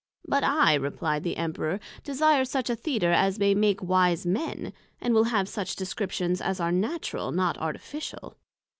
But I, replied the Emperor, desire such a Theatre as may make wise Men; and will have such Descriptions as are Natural, not Artificial.